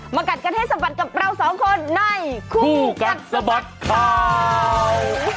กัดกันให้สะบัดกับเราสองคนในคู่กัดสะบัดข่าว